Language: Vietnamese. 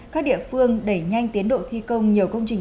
các địa phương đẩy nhanh tiến độ thi công nhiều công trình